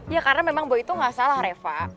ya karena memang boy itu gak salah reva